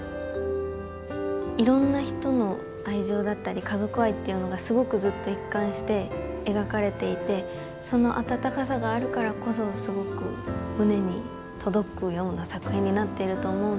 いろんな人の愛情だったり家族愛っていうのがすごくずっと一貫して描かれていてその温かさがあるからこそすごく胸に届くような作品になっていると思うので。